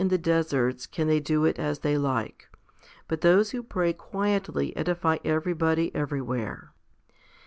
58 FIFTY SPIRITUAL HOMILIES deserts can they do it as they like. But those who pray quietly edify everybody everywhere.